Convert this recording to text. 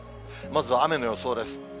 まずは雨の予想です。